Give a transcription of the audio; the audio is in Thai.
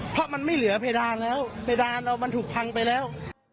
เพราะมันไม่เหลือเพดานแล้วเพดานเรามันถูกพังไปแล้ว